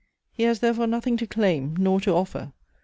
He has therefore nothing to claim, nor to offer.